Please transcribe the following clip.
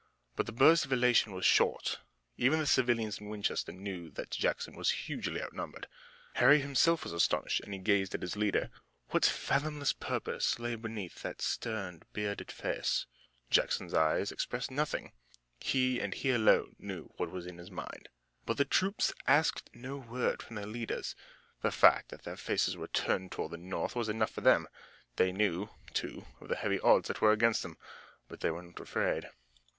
But the burst of elation was short. Even the civilians in Winchester knew that Jackson was hugely outnumbered. Harry himself was astonished, and he gazed at his leader. What fathomless purpose lay beneath that stern, bearded face? Jackson's eyes expressed nothing. He and he alone knew what was in his mind. But the troops asked no word from their leaders. The fact that their faces were turned toward the north was enough for them. They knew, too, of the heavy odds that were against them, but they were not afraid.